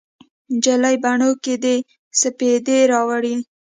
نجلۍ بڼو کې دې سپیدې راوړي